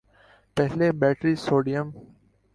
پہلے battery sodium